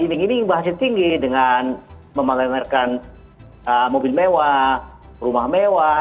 ini ini bahasa tinggi dengan memanfaatkan mobil mewah rumah mewah